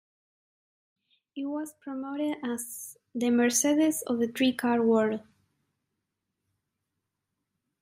It was promoted as "the Mercedes of the tri-car world".